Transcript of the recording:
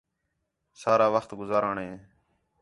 سارا وخت گُزارݨ ہِے